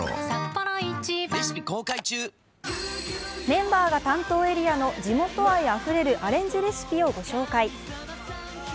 メンバーが担当エリアの地元愛あふれるアレンジレシピをご紹介。